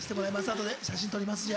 あとで写真撮ります。